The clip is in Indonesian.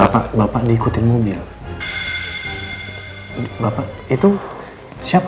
pak sumanus cepat pulih ya